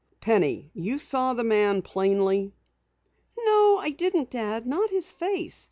Penny, you saw the man plainly?" "No, I didn't, Dad. Not his face.